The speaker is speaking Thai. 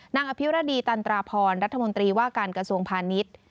อภิรดีตันตราพรรัฐมนตรีว่าการกระทรวงพาณิชย์